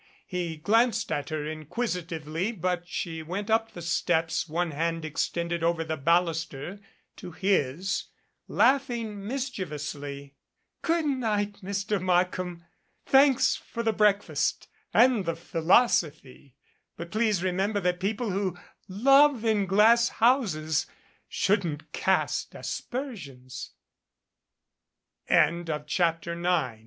He glanced at her inquisitively, but she went up the steps, one hand extended over the baluster to his, laughing mis chievously. 90 OUT OF HIS DEPTH "Good night, Mr. Markham. Thanks for the break fast and the philosophy. But please remember that people who love in glass houses shouldn't cast asper sions."